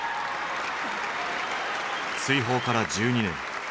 追放から１２年。